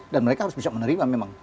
dan mereka harus bisa menerima memang